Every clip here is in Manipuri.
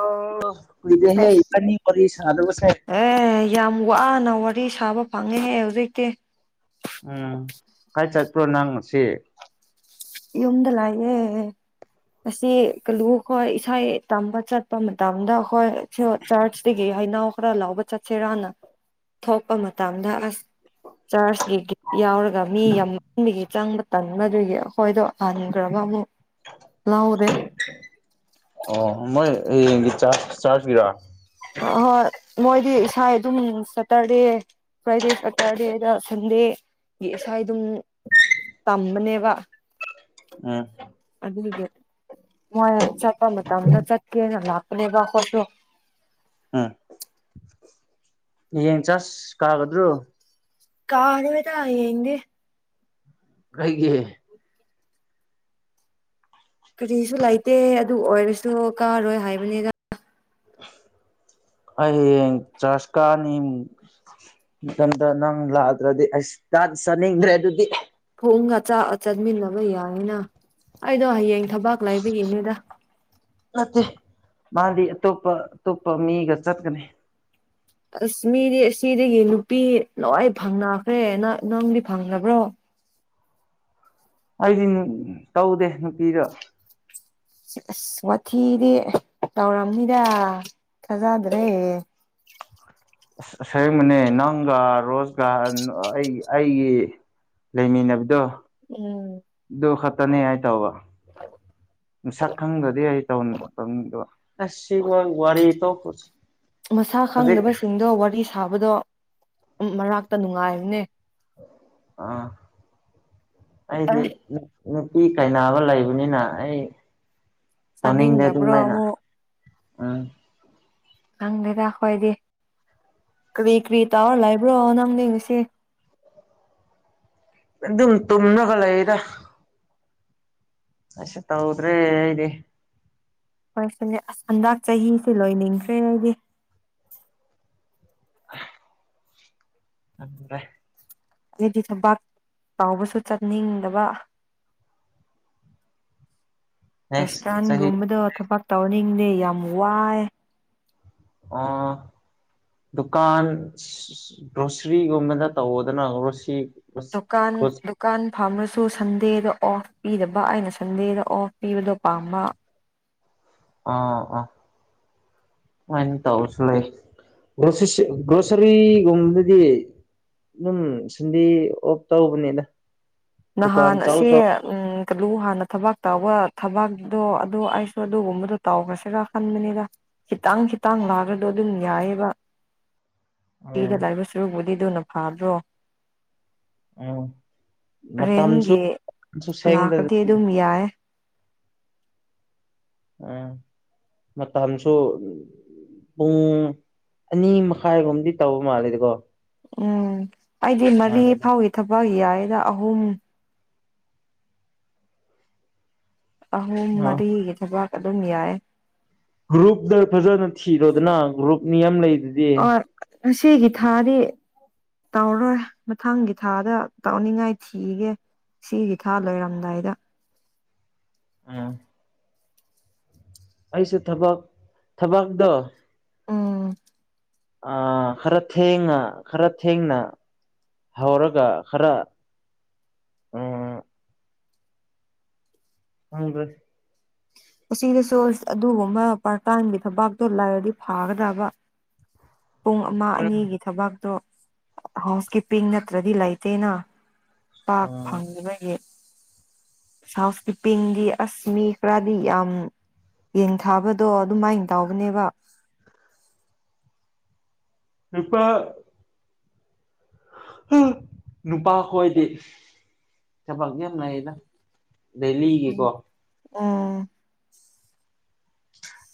ꯑꯥ ꯀꯨꯏꯗꯦꯍꯦ ꯑꯁ ꯏꯕꯥꯅꯤ ꯋꯥꯔꯤ ꯁꯥꯅꯕꯁꯦ ꯑꯦ ꯌꯥꯝ ꯋꯥꯅ ꯋꯥꯔꯤ ꯁꯥꯕ ꯐꯪꯉꯦꯍꯦ ꯍꯧꯖꯤꯛꯇꯤ ꯑꯥꯡ ꯀꯥꯏ ꯆꯠꯄ꯭ꯔꯣ ꯅꯪ ꯉꯁꯤ ꯌꯨꯝꯗ ꯂꯩꯌꯦ ꯑꯁꯤ ꯀꯂꯨ ꯑꯩꯈꯣꯏ ꯏꯁꯩꯪ ꯇꯝꯕ ꯆꯠꯄ ꯃꯇꯝꯗ ꯑꯈꯣꯏ ꯁꯨ ꯆꯥꯔꯆꯇꯒꯤ ꯍꯩꯅꯥꯎ ꯈꯔ ꯂꯧꯕ ꯆꯠꯁꯤꯔꯥꯅ ꯊꯣꯛꯄ ꯃꯇꯝꯗ ꯑꯁ ꯆꯥꯔꯆꯀꯤ ꯀꯤꯠ ꯌꯥꯎꯔꯒ ꯃꯤ ꯌꯥꯝꯃꯟꯕꯒꯤ ꯆꯪꯕ ꯇꯟꯕ ꯑꯗꯨꯒꯤ ꯗꯣ ꯍꯟꯒ꯭ꯔꯕ ꯑꯃꯨꯛ ꯂꯧꯗꯦ ꯑꯣ ꯃꯣꯏ ꯍꯌꯦꯡꯗꯤ ꯆꯥꯛ ꯆꯥꯗꯩꯔꯥ꯫ ꯑꯍꯣꯏ ꯃꯣꯏꯗꯤ ꯏꯁꯥ ꯑꯗꯨꯝ ꯁꯦꯠꯇꯔꯗꯦ ꯐ꯭ꯔꯥꯏꯗꯦ ꯁꯇꯔꯗꯦꯗ ꯁꯟꯗꯦꯒꯤ ꯏꯁꯥ ꯑꯗꯨꯝ ꯇꯝꯕꯅꯦꯕ꯫ ꯎꯝ꯫ ꯑꯗꯨꯏꯒꯤ ꯃꯣꯏ ꯆꯠꯄ ꯃꯇꯝꯗ ꯆꯠꯀꯦꯅ ꯂꯥꯛꯄꯅꯦꯕ ꯈꯣꯢꯁꯨ꯫ ꯎꯝ ꯍꯌꯦꯡ ꯆꯥꯁ ꯀꯥꯒꯗ꯭ꯔꯣ꯫ ꯀꯥꯔꯣꯢꯗ ꯍꯌꯦꯡꯗꯤ꯫ ꯀꯩꯒꯤ꯫ ꯀꯔꯤꯁꯨ ꯂꯩꯇꯦ ꯑꯗꯨ ꯑꯣꯏꯔꯁꯨ ꯀꯥꯔꯣꯏ ꯍꯥꯏꯕꯅꯤꯗ꯫ ꯑꯩ ꯍꯌꯦꯡ ꯆꯁ ꯀꯥꯅꯤ꯫ ꯅꯊꯟꯗ ꯅꯪ ꯂꯥꯛꯗ꯭ꯔꯗꯤ ꯑꯁ ꯆꯥꯛꯇꯤ ꯆꯥꯅꯤꯡꯗ꯭ꯔꯦ ꯑꯗꯨꯗꯤ꯫ ꯊꯣꯡꯒ ꯆꯥꯛꯑ ꯆꯠꯃꯤꯟꯅꯕ ꯌꯥꯏꯅ ꯑꯩꯗꯣ ꯍꯌꯦꯡ ꯊꯕꯛ ꯂꯩꯕꯒꯤꯅꯤꯗ꯫ ꯅꯠꯇꯦ ꯃꯥꯗꯤ ꯑꯇꯣꯞꯄ ꯑꯇꯣꯞꯄ ꯃꯤꯒ ꯆꯠꯀꯅꯤ꯫ ꯑꯁ ꯃꯤꯗꯤ ꯁꯤꯗꯒꯤ ꯅꯨꯄꯤ ꯂꯣꯏ ꯐꯪꯅꯈ꯭ꯔꯦ ꯅꯪ ꯅꯪꯗꯤ ꯐꯪꯗꯕ꯭ꯔꯣ꯫ ꯑꯩꯗꯤ ꯇꯧꯗꯦ ꯅꯨꯄꯤꯗꯣ꯫ ꯑꯁ ꯋꯥꯊꯤꯗꯤ ꯇꯧꯔꯝꯅꯤꯗ ꯊꯥꯖꯗ꯭ꯔꯦ꯫ ꯑꯁ ꯑꯁꯦꯡꯕꯅꯦ ꯅꯪꯒ ꯔꯣꯖꯒꯥ ꯑꯩ ꯑꯩꯒꯤ ꯂꯩꯃꯤꯟꯅꯕꯗꯣ ꯎꯝ꯫ ꯑꯗꯨ ꯈꯇꯅꯤ ꯑꯩ ꯇꯧꯕ꯫ ꯃꯁꯛ ꯈꯪꯗꯗꯤ ꯑꯩ ꯇꯧ ꯇꯧꯅꯤꯡꯗꯕ ꯑꯁ ꯁꯤꯉꯥꯡ ꯋꯥꯔꯤ ꯇꯣꯛꯈ꯭ꯔꯣꯁꯤ꯫ ꯃꯁꯥ ꯈꯪꯗꯕꯁꯤꯡꯗꯣ ꯋꯥꯔꯤ ꯁꯥꯕꯗꯣ ꯃꯔꯥꯛꯇ ꯅꯨꯡꯉꯥꯏꯕꯅꯦ꯫ ꯑꯥ ꯑꯩꯗꯤ ꯑꯦ ꯅꯨꯄꯤ ꯀꯥꯢꯅꯥꯕ ꯂꯩꯕꯅꯤꯅ ꯑꯩ ꯇꯧꯅꯤꯡꯗꯦ ꯑꯗꯨꯝ ꯆꯥꯅꯤꯡꯗꯕ꯭ꯔꯣ ꯃꯥꯏꯅ꯫ ꯑꯃꯨꯛ ꯑꯥ꯫ ꯈꯪꯗꯦꯗ ꯍꯣꯏꯗꯤ ꯀꯔꯤ ꯀꯔꯤ ꯇꯧꯔ ꯂꯩꯕ꯭ꯔꯣ ꯅꯪꯗꯤ ꯉꯁꯤ꯫ ꯑꯗꯨꯝ ꯇꯨꯝꯂꯒ ꯂꯩꯗ꯫ ꯀꯩꯁꯨ ꯇꯧꯗ꯭ꯔꯦ ꯑꯩꯗꯤ꯫ ꯍꯣꯏ ꯁꯤꯅꯦ ꯑꯁ ꯍꯟꯗꯛ ꯆꯍꯤꯁꯤ ꯂꯣꯏꯅꯤꯡꯈ꯭ꯔꯦ ꯑꯩꯗꯤ꯫ ꯈꯪꯗꯔꯦ꯫ ꯑꯩꯗꯤ ꯊꯕꯛ ꯇꯧꯕꯁꯨ ꯆꯠꯅꯤꯡꯗꯕ꯫ [unintelligible] ꯆꯍꯤ ꯔꯁꯊꯥꯟꯒꯨꯝꯕꯗꯣ ꯊꯕꯛ ꯇꯧꯅꯤꯡꯗꯦ ꯌꯥꯝ ꯋꯥꯏ꯫ ꯑꯣ꯫ ꯗꯨꯀꯥꯟ ꯒ꯭ꯔꯣꯁꯔꯤꯒꯨꯝꯕꯗ ꯇꯧꯗꯅ ꯒ꯭ꯔꯣꯁꯤ ꯗꯨꯀꯥꯟ ꯗꯨ ꯒ꯭ꯔꯣꯁ ꯗꯨꯀꯥꯟ ꯐꯥꯝꯔꯁꯨ ꯁꯟꯗꯦꯗ ꯑꯣꯐ ꯄꯤꯗꯕ ꯑꯩꯅ ꯁꯟꯗꯦꯗ ꯑꯣꯐ ꯄꯤꯕꯗꯣ ꯄꯥꯝꯕ꯫ ꯑ ꯑ ꯑꯗꯨꯃꯥꯢ ꯇꯧꯕꯁꯨ ꯂꯩ꯫ ꯒ꯭ꯔꯣꯁꯤꯁꯦ ꯒ꯭ꯔꯣꯁꯔꯤꯒꯨꯝꯕꯗꯗꯤ ꯑꯗꯨꯝ ꯁꯟꯗꯦ ꯑꯣꯐ ꯇꯧꯕꯅꯤꯗ꯫ ꯗꯨꯀꯥꯟ ꯅꯍꯥꯟ ꯆꯥꯎ ꯑꯁꯤ ꯆꯥꯎ ꯎꯝ ꯀꯗꯨ ꯍꯥꯟꯅ ꯊꯕꯛ ꯇꯧꯕ ꯊꯕꯛꯗꯣ ꯑꯗꯨ ꯑꯩꯁꯨ ꯑꯗꯨꯒꯨꯝꯕꯗꯣ ꯇꯥꯎꯈ꯭ꯔꯁꯤꯔꯥ ꯈꯟꯕꯅꯤꯗ꯫ ꯈꯤꯇꯪ ꯈꯤꯇꯪ ꯅꯥꯕꯗꯣ ꯑꯗꯨꯝ ꯌꯥꯏꯑꯦꯕ꯫ ꯎꯝ ꯄꯤꯒꯗꯕ ꯁꯨꯔꯨꯛꯕꯨꯗꯤ ꯑꯗꯨꯅ ꯐꯕ꯭ꯔꯣ꯫ ꯎꯝ ꯃꯇꯝꯁꯨ ꯔꯦꯟꯒꯤ ꯁꯦꯡꯗ ꯂꯥꯛꯄꯗꯤ ꯑꯗꯨꯝ ꯌꯥꯏ ꯑꯝ ꯃꯇꯝꯁꯨ ꯄꯨꯡ ꯑꯅꯤ ꯃꯈꯥꯏꯔꯣꯝꯗꯤ ꯇꯧꯕ ꯃꯥꯜꯂꯦꯗꯀꯣ ꯎꯝ ꯑꯩꯗꯤ ꯃꯔꯤ ꯑꯉꯥꯡꯒꯤꯗꯣ ꯐꯥꯎꯒꯤ ꯊꯕꯛ ꯌꯥꯏꯗ ꯑꯍꯨꯝ ꯑꯍꯨꯝ ꯑꯣ ꯃꯔꯤꯒꯤ ꯊꯕꯛ ꯑꯗꯨꯝ ꯌꯥꯏ ꯒ꯭ꯔꯨꯞꯇ ꯐꯖꯅ ꯊꯤꯔꯣꯗꯅ ꯒ꯭ꯔꯨꯞꯅꯤ ꯑꯃ ꯂꯩꯗꯅ ꯑꯣ ꯉꯁꯤꯒꯤ ꯊꯥꯗꯤ ꯇꯧꯔꯣꯏ ꯃꯊꯪꯒꯤ ꯊꯥꯗ ꯇꯧꯅꯤꯡꯉꯥꯏ ꯊꯤꯒꯦ ꯁꯤꯒꯤ ꯊꯥ ꯂꯣꯏꯔꯝꯗꯥꯏꯗ ꯑꯝ ꯑꯩꯁꯨ ꯊꯕꯛ ꯊꯕꯛꯇꯣ ꯎꯝ ꯑ ꯈꯔ ꯊꯦꯡꯅ ꯈꯔ ꯊꯦꯡꯅ ꯍꯧꯔꯒ ꯈꯔ ꯎꯝ ꯍꯗ [unintelligible] ꯑꯁꯤꯗꯁꯨ ꯑꯗꯨꯒꯨꯝꯕ ꯄꯥꯔꯇꯟꯒꯤ ꯊꯕꯥꯛꯇꯣ ꯂꯩꯔꯗꯤ ꯐꯥꯒꯗꯕ ꯄꯨꯡ ꯑꯃ ꯑꯅꯤꯒꯤ ꯊꯕꯛꯇꯣ ꯍꯥꯎꯁ ꯀꯤꯞꯄꯤꯡ ꯅꯠꯇ꯭ꯔꯗꯤ ꯂꯩꯇꯦꯅ ꯄꯥꯛ ꯐꯪꯕꯒꯤ ꯁꯥꯎꯁꯀ꯭ꯔꯤꯄꯤꯡꯗꯤ ꯑꯁ ꯃꯤ ꯈꯔꯗꯤ ꯌꯥꯝ ꯌꯦꯡꯊꯥꯕꯗꯣ ꯑꯗꯨꯝꯃꯥꯏꯅ ꯇꯥꯎꯕꯅꯦꯕ ꯏꯄꯥ [unintelligible] ꯅꯨꯄꯥ ꯈꯣꯏꯗꯤ ꯊꯕꯛ ꯌꯥꯝ ꯂꯩꯌꯦꯗ ꯗꯦꯜꯂꯤꯒꯤꯀꯣ ꯑꯝ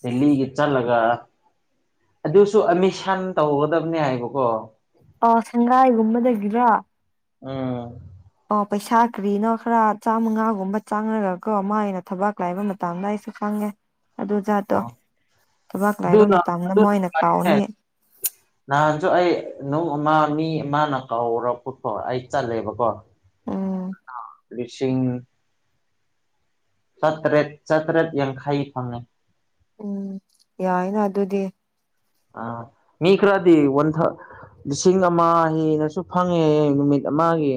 ꯗꯦꯜꯂꯤꯒꯤ ꯆꯠꯂꯒ ꯑꯗꯨꯁꯨ ꯑꯦꯠꯃꯤꯁꯟ ꯇꯧꯒꯗꯕꯅꯦ ꯍꯥꯏꯕꯀꯣ ꯑ ꯁꯪꯒꯥꯏꯒꯨꯝꯕꯗꯒꯤꯔꯣ ꯑꯝ ꯑꯣ ꯄꯩꯁꯥ ꯀꯔꯤꯅꯣ ꯈꯔ ꯆꯥꯝꯃꯉꯥꯒꯨꯝꯕ ꯆꯪꯉꯒꯀꯣ ꯃ ꯑꯩꯅ ꯊꯕꯛ ꯂꯥꯏꯕ ꯃꯇꯝꯗ ꯑꯩꯁꯨ ꯈꯪꯉꯦ ꯑꯗꯨ ꯖꯥꯠꯇꯣ ꯑꯣ ꯊꯕꯥꯛ ꯂꯩꯕ ꯑꯗꯨꯅ ꯃꯇꯝꯗ ꯑꯗꯨꯅꯦ ꯃꯣꯏꯅ ꯀꯥꯎꯅꯤ [inaudible] ꯅꯍꯥꯟꯁꯨ ꯑꯩ ꯅꯨꯡ ꯑꯃ ꯃꯤ ꯑꯃꯅ ꯀꯥꯎꯔꯛꯄꯀꯣ ꯑꯩ ꯆꯠꯂꯦꯕꯀꯣ ꯎꯝ ꯂꯤꯁꯤꯡ ꯆꯥꯇ꯭ꯔꯦꯠ ꯆꯥꯇ꯭ꯔꯦꯠ ꯌꯥꯡꯈꯩ ꯐꯪꯉꯦ ꯎꯝ ꯌꯥꯏꯅ ꯑꯗꯨꯗꯤ ꯑ ꯃꯤ ꯈꯔꯗꯤ ꯋꯥꯟ ꯊꯥꯎ ꯂꯤꯁꯤꯡ ꯑꯃ ꯍꯦꯟꯅꯁꯨ ꯐꯪꯉꯦ ꯅꯨꯃꯤꯠ ꯑꯃꯒꯤ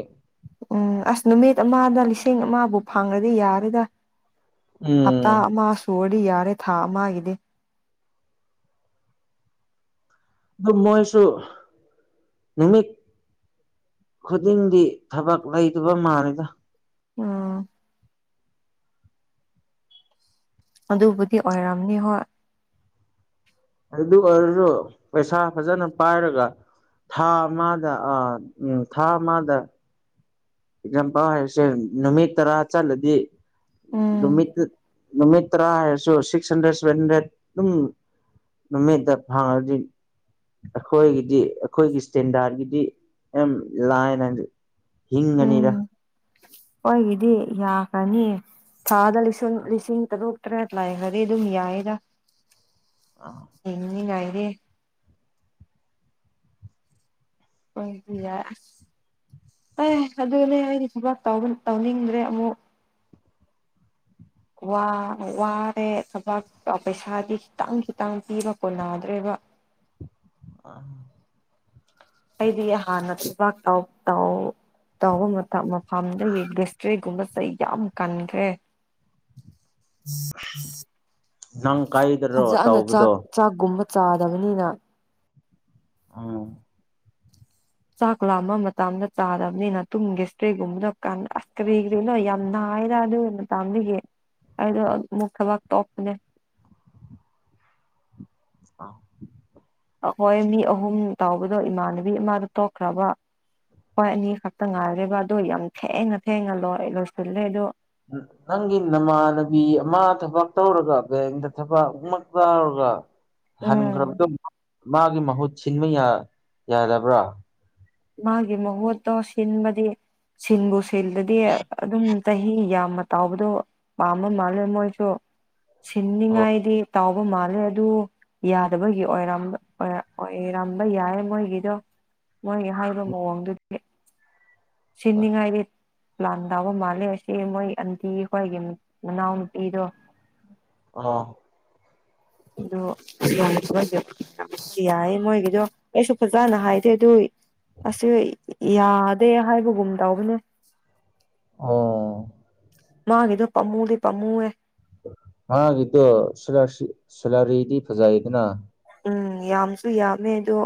ꯎꯝ ꯑꯁ ꯅꯨꯃꯤꯠ ꯑꯃꯗ ꯂꯤꯁꯤꯡ ꯑꯃꯕꯨ ꯐꯪꯉꯗꯤ ꯌꯥꯔꯦꯗ ꯎꯝ ꯍꯞꯇꯥ ꯑꯃ ꯁꯨꯔꯗꯤ ꯌꯥꯔꯦ ꯊꯥ ꯑꯃꯒꯤꯗꯤ ꯑꯗꯨ ꯃꯣꯏꯁꯨ ꯅꯨꯃꯤꯠ ꯈꯨꯗꯤꯡꯗꯤ ꯊꯕꯛ ꯂꯩꯗꯕ ꯃꯥꯜꯂꯦꯗ ꯎꯝ [unintelligible] ꯑꯗꯨꯕꯨꯗꯤ ꯑꯣꯏꯔꯝꯅꯤ ꯍꯣꯏ ꯑꯗꯨ ꯑꯣꯏꯔꯁꯨ ꯄꯩꯁꯥ ꯐꯖꯅ ꯄꯥꯏꯔꯒ ꯊꯥ ꯑꯃꯗ ꯑꯥ ꯎꯝ ꯊꯥ ꯑꯃꯗ ꯌꯥꯝꯄꯥꯡꯔꯩ ꯆꯦꯟ ꯅꯨꯃꯤꯠ ꯇꯔꯥ ꯆꯠꯂꯗꯤ ꯎꯝ ꯅꯨꯃꯤꯠꯇ ꯅꯨꯃꯤꯠ ꯇꯔꯥ ꯍꯥꯏꯔꯁꯨꯁ ꯁꯤꯛꯁ ꯍꯟꯗ꯭ꯔꯦꯠ ꯁꯚꯦꯟ ꯍꯟꯗ꯭ꯔꯦꯠ ꯑꯗꯨꯝ ꯅꯨꯃꯤꯠꯇ ꯐꯪꯉꯗꯤ ꯑꯩꯈꯣꯏꯒꯤꯗꯤ ꯑꯩꯈꯣꯏꯒꯤ ꯏꯁꯇꯦꯟꯗꯥꯒꯤꯗꯤ ꯌꯥꯝ ꯂꯥꯏꯅ ꯍꯤꯡꯒꯅꯤꯗ ꯍꯣꯏꯒꯤꯗꯤ ꯌꯥꯈꯔꯅꯤ ꯊꯥꯗ ꯂꯤꯁꯤꯡ ꯂꯤꯁꯤꯡ ꯇꯔꯨꯛ ꯇꯔꯦꯠ ꯂꯩ ꯈꯔꯗꯤ ꯑꯗꯨꯝ ꯌꯥꯏꯗ [unintelligible] ꯌꯦꯡꯅꯤ ꯉꯥꯏꯔꯦ ꯍꯣꯏ ꯑꯗꯨꯌꯥꯏ ꯑꯁ ꯑꯦ ꯑꯗꯨꯅꯦ ꯑꯩꯗꯤ ꯊꯕꯥꯛ ꯇꯧꯕꯤꯟ ꯇꯧꯅꯤꯡꯗ꯭ꯔꯦ ꯑꯃꯨꯛ [inaudible] ꯋꯥ ꯋꯥꯔꯦ ꯊꯕꯥꯛ ꯇꯥ ꯄꯩꯁꯥꯗꯤ ꯈꯤꯇꯪ ꯈꯤꯇꯪ ꯄꯤꯕ ꯀꯣꯟꯅꯗ꯭ꯔꯦꯕ ꯑꯥ ꯑꯩꯗꯤ ꯍꯥꯟꯅ ꯐꯕꯥꯛ ꯇꯥꯎ ꯇꯧ ꯇꯧꯕ ꯃꯇꯝ ꯃꯇꯝꯗꯒꯤ ꯕꯁꯇꯔꯤꯒꯨꯝꯕ ꯆꯩ ꯌꯥꯝ ꯀꯟꯈ꯭ꯔꯦ [inaudible] [unintelligible] ꯅꯪ ꯀꯥꯏꯗ꯭ꯔꯣ ꯐꯖꯅ ꯆꯥꯛ ꯇꯥꯎꯕꯗꯣ ꯆꯥꯛꯒꯨꯝꯕ ꯆꯥꯗꯕꯅꯤꯅ ꯎꯝ ꯆꯥꯛ ꯂꯥꯝꯕ ꯃꯇꯝꯗ ꯆꯥꯗꯕꯅꯤꯅ ꯇꯨꯝꯒꯤꯁꯇ꯭ꯔꯤꯒꯨꯝꯕꯗꯣ ꯀꯟ ꯑꯁ ꯀꯔꯤ ꯀꯔꯤꯅꯣꯏ ꯌꯥꯝ ꯅꯥꯏꯌꯦꯗ ꯑꯗꯨ ꯃꯇꯝꯗꯒꯤ ꯑꯩꯗꯣ ꯑꯃꯨꯛ ꯊꯕꯛ ꯇꯣꯛꯄꯅꯦ ꯑ ꯑꯩꯈꯣꯏ ꯃꯤ ꯑꯍꯨꯝ ꯇꯥꯎꯕꯗꯣ ꯏꯃꯥꯟꯅꯕꯤ ꯑꯃꯗꯣ ꯇꯣꯛꯈ꯭ꯔꯕ ꯍꯣꯏ ꯑꯅꯤ ꯈꯛꯇ ꯉꯥꯏꯔꯦꯕ ꯑꯗꯣ ꯌꯥꯝ ꯊꯦꯡꯅ ꯊꯦꯡꯅ ꯂꯣꯏ ꯂꯣꯏꯁꯤꯜꯂꯦ ꯑꯗꯣ ꯅꯪꯒꯤ ꯅꯃꯥꯟꯅꯕꯤ ꯑꯃ ꯊꯕꯛ ꯇꯧꯔꯒ ꯕꯦꯡꯗ ꯊꯕꯛ ꯑꯃ ꯇꯧꯔꯒ ꯎꯝ ꯍꯟꯒꯔꯕꯗ ꯃꯥꯒꯤ ꯃꯍꯨꯠ ꯁꯤꯟꯕ ꯌꯥ ꯌꯥꯗꯕ꯭ꯔꯥ ꯃꯥꯒꯤ ꯃꯍꯨꯇꯣ ꯁꯤꯟꯕꯗꯤ ꯁꯤꯟꯕꯨ ꯁꯤꯜꯗꯗꯤ ꯑꯗꯨꯝ ꯆꯍꯤ ꯌꯥꯝꯃ ꯇꯥꯎꯕꯗꯣ ꯄꯥꯝꯕ ꯃꯥꯜꯂꯦ ꯃꯣꯏꯁꯨ ꯑꯣ ꯁꯤꯟꯅꯤꯡꯉꯥꯏꯗꯤ ꯇꯥꯎꯕ ꯃꯥꯜꯂꯦ ꯑꯗꯨ ꯌꯥꯗꯕꯒꯤ ꯑꯣꯏꯔꯝꯕ ꯑꯣꯏ ꯑꯣꯏꯔꯝꯕ ꯌꯥꯏ ꯃꯣꯏꯒꯤꯗꯣ ꯃꯣꯏꯒꯤ ꯍꯥꯏꯕ ꯃꯑꯣꯡꯗꯨꯗꯤ ꯁꯤꯅꯤꯉꯥꯏꯗꯤ ꯄ꯭ꯂꯥꯟ ꯇꯥꯎꯕ ꯃꯥꯜꯂꯦ ꯑꯁꯤ ꯃꯣꯏ ꯑꯟꯇꯤ ꯈꯣꯏꯒꯤ ꯃꯅꯥꯎ ꯅꯨꯨꯄꯤꯗꯣ ꯑꯣ ꯑꯗꯨ [unintelligible] ꯌꯥꯏꯌꯦ ꯃꯣꯏꯒꯤꯖꯣ ꯑꯩꯁꯨ ꯐꯖꯅ ꯍꯥꯏꯗꯦ ꯑꯗꯨ ꯑꯁꯨꯏ ꯌꯥꯗꯦ ꯍꯥꯏꯕꯒꯨꯝ ꯇꯕꯅꯦ ꯎꯝ ꯃꯥꯒꯤꯗꯣ ꯄꯝꯃꯨꯗꯤ ꯄꯃꯨ ꯑꯦ ꯃꯥꯒꯤꯗꯣ ꯁꯣꯂ ꯆꯤ ꯁꯂꯥꯔꯤꯗꯤ ꯐꯖꯥꯏꯌꯦꯗꯅ ꯎꯝ ꯌꯥꯝꯁꯨ ꯌꯥꯝꯃꯦ ꯑꯗꯣ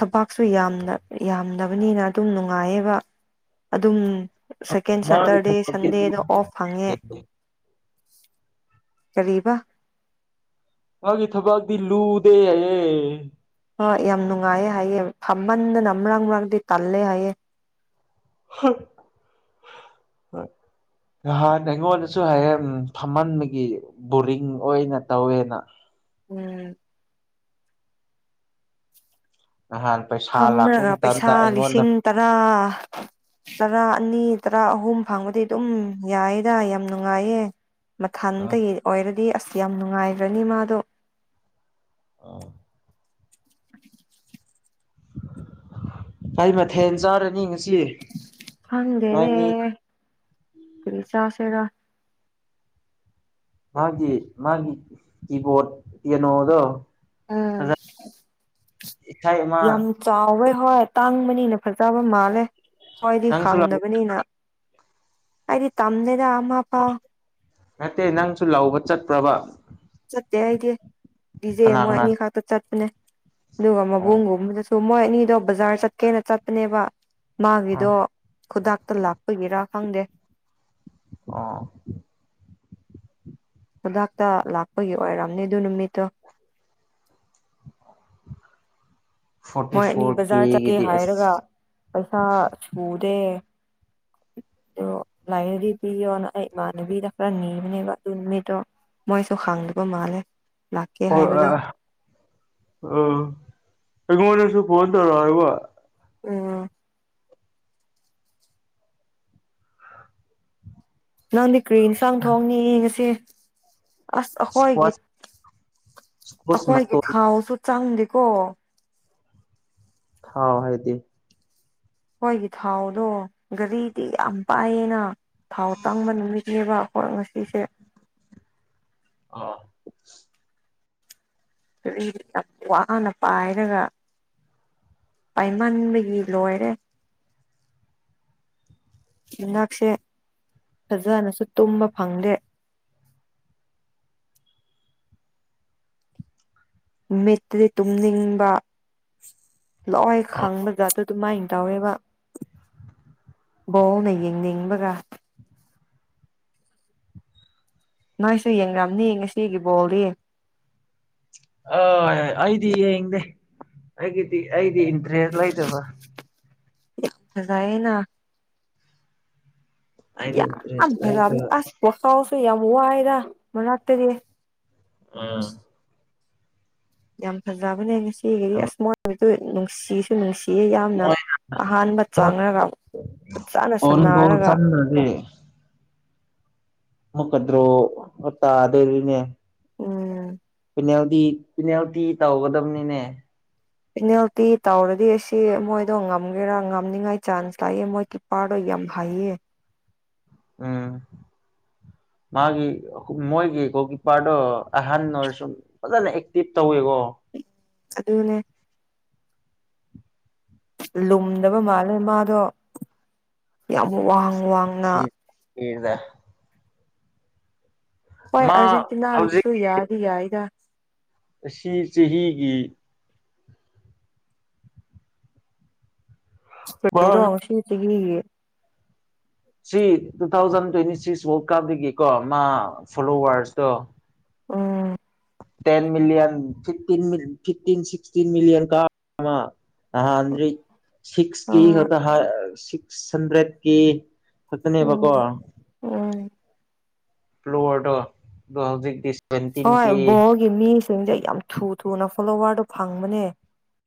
ꯊꯕꯥꯛꯁꯨ ꯌꯥꯝꯅ ꯌꯥꯝꯗꯕꯅꯤꯅ ꯑꯗꯨꯝ ꯅꯨꯡꯉꯥꯏꯌꯦꯕ ꯑꯗꯨꯝ ꯁꯦꯀꯦꯟ ꯃꯥꯒꯤ ꯁꯇꯔꯗꯦ ꯊꯕꯛꯇꯤ ꯁꯟꯗꯦꯗ ꯑꯣꯐ ꯐꯪꯉꯦ ꯀꯔꯤꯕ ꯃꯥꯒꯤ ꯊꯕꯛꯗꯤ ꯂꯨꯗꯦ ꯌꯥꯌꯦ ꯍꯣꯏ ꯌꯥꯝ ꯅꯨꯡꯉꯥꯏꯌꯦ ꯍꯥꯏꯌꯦ ꯐꯝꯃꯟꯗꯅꯥ ꯃꯔꯛ ꯃꯋꯛꯇꯤ ꯇꯜꯂꯦ ꯍꯥꯏꯌꯦ [unintelligible] ꯍꯣꯏ ꯅꯍꯥꯟ ꯑꯩꯉꯣꯟꯗꯁꯨ ꯍꯌꯦꯡ ꯐꯝꯃꯟꯕꯒꯤ ꯕꯣꯔꯤꯡ ꯑꯣꯏꯅ ꯇꯧꯋꯦꯅ ꯎꯝ ꯅꯍꯥꯟ ꯄꯩꯁꯥ ꯐꯝꯔꯒ ꯄꯩꯁꯥ ꯂꯥꯛꯄꯒꯤꯇꯟꯇꯥ ꯑꯩꯉꯣꯟꯗ ꯂꯤꯁꯤꯡ ꯇꯔꯥ ꯇꯔꯥ ꯑꯅꯤ ꯇꯔꯥ ꯑꯍꯨꯝ ꯐꯪꯕꯗꯤ ꯑꯗꯨꯝ ꯌꯥꯏꯗ ꯌꯥꯝ ꯅꯨꯡꯉꯥꯏꯌꯦ ꯃꯊꯟꯇꯒꯤ ꯑꯣꯏꯔꯗꯤ ꯑꯁ ꯌꯥꯝ ꯅꯨꯡꯉꯥꯏꯒ꯭ꯔꯅꯤ ꯃꯥꯗꯣ [unintelligible] ꯥꯀꯩ ꯃꯊꯦꯜ ꯆꯥꯔꯅꯤ ꯉꯁꯤ ꯈꯪꯗꯦꯅꯦ ꯅꯣꯏꯅꯤ ꯀꯔꯤ ꯆꯥꯁꯤꯔ ꯃꯥꯒꯤ ꯃꯥꯒꯤ ꯀꯤꯕꯣꯔꯠ ꯄꯤꯌꯥꯅꯣꯗꯣ ꯑꯥ ꯑꯗ ꯏꯁꯩ ꯑꯃ ꯌꯥꯝ ꯆꯥꯎꯋꯦ ꯍꯣꯏ ꯇꯥꯡꯕꯅꯤꯅ ꯐꯖꯕ ꯃꯥꯜꯂꯦ ꯍꯣꯏꯗꯤ ꯅꯪꯁꯨ ꯈꯡꯗꯕꯅꯤꯅ ꯑꯩꯗꯤ ꯇꯝꯗꯦꯗ ꯑꯃꯐꯥꯎ ꯅꯠꯇꯦ ꯅꯪꯁꯨ ꯂꯧꯕ ꯆꯠꯄ꯭ꯔꯕ ꯆꯠꯇꯦ ꯑꯩꯗꯤ ꯗꯤꯖꯦ ꯀꯅꯥ ꯃꯣꯏ ꯀꯅꯥ ꯑꯅꯤ ꯈꯛꯇ ꯆꯠꯄꯅꯦ ꯑꯗꯨꯒ ꯑꯣ ꯃꯕꯨꯡꯒꯨꯝꯕꯗꯨ ꯗꯨ ꯃꯣꯏ ꯑꯅꯤꯗꯣ ꯕꯖꯥꯔ ꯆꯠꯀꯦꯅ ꯆꯠꯄꯅꯦꯕ ꯑꯣ ꯃꯥꯒꯤꯗꯣ ꯈꯨꯗꯥꯛꯇ ꯂꯥꯛꯄꯒꯤꯔ ꯈꯪꯗꯦ ꯑꯣ ꯈꯨꯗꯥꯛꯇ ꯂꯥꯛꯄꯒꯤ ꯑꯣꯏꯔꯝꯅꯤ ꯑꯗꯨ ꯅꯨꯃꯤꯠꯇꯣ ꯐꯣꯔꯇꯤ ꯃꯣꯏ ꯑꯅꯤ ꯐꯣꯔ ꯕꯖꯥꯔ ꯆꯠꯀꯦ ꯀꯦꯒꯤꯗꯤ ꯑꯁ ꯍꯥꯏꯔꯒ ꯄꯩꯁꯥ ꯁꯨꯗꯦ ꯗꯣ ꯂꯩꯔꯗꯤ ꯄꯤꯌꯣꯅ ꯑꯩ ꯏꯃꯥꯟꯅꯕꯤꯗ ꯈꯔꯥ ꯅꯤꯕꯅꯦꯕ ꯑꯗꯨ ꯅꯨꯃꯤꯠꯇꯣ ꯃꯣꯏꯁꯨ ꯈꯪꯡꯗꯕ ꯃꯥꯜꯂꯦ ꯂꯥꯛꯀꯦ [unintelligible] ꯍꯥꯏꯕꯗꯣ ꯑꯩꯉꯣꯟꯗꯁꯨ ꯐꯣꯟ ꯇꯧꯔꯛ [unintelligible] ꯎꯝ ꯅꯪꯗꯤ ꯀ꯭ꯔꯤ ꯏꯟꯁꯥꯡ ꯊꯣꯡꯅꯤ ꯉꯁꯤ ꯑꯁ ꯑꯩꯈꯣꯏꯒꯤ ꯏꯁꯀ꯭ꯋꯥꯁ ꯏꯁꯀ꯭ꯋꯥꯁ ꯑꯩꯈꯣꯏꯒꯤ ꯃꯇꯣꯟ ꯊꯥꯎꯁꯨ ꯆꯪꯗꯦꯀꯣ ꯊꯥꯎ ꯍꯥꯏꯗꯤ ꯑꯩꯈꯣꯏꯒꯤ ꯊꯥꯎꯗꯣ ꯒꯥꯔꯤꯗꯤ ꯌꯥꯝ ꯄꯥꯏꯌꯦꯅ ꯊꯥꯎ ꯇꯥꯡꯃꯟꯕꯅꯨꯃꯤꯠꯅꯦꯕ ꯑꯩꯈꯣꯏ ꯉꯁꯤꯁꯦ ꯑꯥ [unintelligible] ꯋꯥꯅ ꯄꯥꯏꯔꯒ ꯄꯥꯏꯃꯟꯕꯒꯤ ꯂꯣꯏꯔꯦ ꯌꯨꯝꯅꯥꯛꯁꯦ ꯐꯖꯅꯁꯨ ꯇꯨꯝꯕ ꯐꯪꯗꯦ ꯃꯤꯠꯇꯗꯤ ꯇꯨꯝꯅꯤꯡꯕ ꯂꯣꯏ ꯈꯪꯕ ꯖꯥꯠꯇꯨ ꯑꯗꯨꯃꯥꯏꯅ ꯇꯧꯋꯦꯕ ꯕꯣꯜꯅ ꯌꯦꯡꯅꯤꯡꯕꯒ ꯅꯣꯏꯁꯨ ꯌꯦꯡꯉꯝꯅꯤ ꯉꯁꯤꯒꯤ ꯕꯣꯜꯗꯤ ꯑꯥꯏ ꯑꯩꯗꯤ ꯌꯦꯡꯗꯦ ꯑꯩꯒꯤꯗꯤ ꯑꯩꯗꯤ ꯏꯟꯇꯔꯦꯁ ꯂꯩꯇꯕ ꯐꯖꯩꯌꯦꯅ ꯑꯩꯗꯤ ꯌꯥꯝ ꯏꯟꯇꯔꯦꯁ ꯐꯖꯕꯅꯦ ꯂꯩꯇꯕ ꯑꯁ ꯋꯥꯈꯜꯁꯨ ꯌꯥꯝ ꯋꯥꯏꯗ ꯃꯅꯥꯛꯇꯗꯤ ꯎꯝ ꯌꯥꯝ ꯐꯖꯕꯅꯦ ꯉꯁꯤꯒꯤꯗꯤ ꯑꯁ ꯃꯣꯏ [unintelligible] ꯅꯨꯡꯁꯤ ꯑꯩ ꯅꯨꯡꯁꯤꯌꯦ ꯌꯥꯝꯅ ꯃꯣꯏ ꯑꯍꯥꯟꯕ ꯆꯥꯡꯔꯒ ꯐꯖꯅ ꯁꯥꯟꯅꯔꯒ ꯎꯝꯗꯤ ꯃꯨꯛꯀꯗ꯭ꯔꯣ ꯇꯥꯗꯔꯤꯅꯦ ꯎꯝ ꯄꯤꯅꯦꯜꯇꯤ ꯄꯤꯅꯦꯜꯇꯤ ꯇꯧꯒꯗꯕꯅꯤꯅꯦ ꯄꯦꯅꯦꯜꯇꯤ ꯇꯧꯔꯗꯤ ꯑꯁꯤ ꯃꯣꯏꯗꯣ ꯉꯝꯒꯦꯔꯥ ꯉꯝꯅꯤꯉꯥꯏ ꯆꯥꯟꯁ ꯂꯥꯛꯌꯦ ꯃꯣꯏ ꯄꯥꯔꯗ ꯌꯥꯝ ꯍꯩꯌꯦ ꯎꯝ ꯃꯥꯒꯤ ꯃꯣꯏꯒꯤ ꯒꯣꯜ ꯀꯤꯞꯄꯥꯔꯗꯣ ꯑꯍꯟ ꯑꯣꯏꯔꯁꯨꯨ ꯐꯖꯅ ꯑꯦꯛꯇꯤꯚ ꯇꯧꯋꯦꯀꯣ ꯑꯗꯨꯅꯦ ꯂꯨꯝꯗꯕ ꯃꯥꯜꯂꯦ ꯃꯥꯗꯣ ꯌꯥꯝ ꯋꯥꯡ ꯋꯥꯡꯅ ꯀꯤꯅꯤꯗ ꯍꯣꯏ ꯃꯥ ꯍꯧꯖꯤꯛ ꯑꯥꯔꯖꯦꯟꯇꯤꯅꯥꯒꯤꯗꯨꯁꯨ ꯌꯥꯗꯤ ꯌꯥꯏꯗ ꯑꯁꯤ ꯆꯍꯤꯒꯤ ꯀꯔꯤꯔꯣ ꯑꯁꯤ ꯆꯍꯤꯒꯤ ꯁꯤ two thousand twenty six world ꯀꯞꯗꯒꯤꯀꯣ ꯃꯥ ꯐꯣꯂꯣꯋꯥꯔꯁꯇꯣ ꯎꯝ ten million fifteen meal fifteen sixteen million ꯀ ꯃꯥ ꯅꯍꯥꯟꯗ꯭ꯔꯤ ꯁꯤꯛꯁ ꯀꯦ ꯑꯥ ꯈꯛꯇ ꯍꯥ ꯁꯤꯁ ꯍꯟꯗ꯭ꯔꯦꯠ ꯀꯦ ꯒꯠꯇꯅꯦꯕꯀꯣ ꯎꯝ ꯎꯝ ꯄ꯭ꯂꯣꯋꯔꯗꯣ ꯑꯗꯣ ꯍꯧꯖꯤꯛꯗꯤ ꯁꯚꯦꯟꯇꯤꯟ ꯀꯦ ꯒꯤ ꯃꯤꯁꯤꯡꯁꯦ ꯌꯥꯝ ꯊꯨ ꯊꯨꯅ ꯐꯣꯂꯣꯋꯥꯔꯗꯣ ꯐꯪꯕꯅꯦ